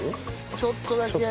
ちょっとだけ。